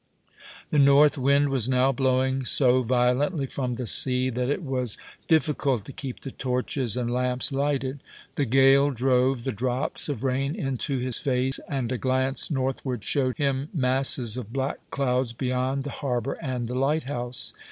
The north wind was now blowing so violently from the sea that it was difficult to keep the torches and lamps lighted. The gale drove the drops of rain into his face, and a glance northward showed him masses of black clouds beyond the harbour and the lighthouse.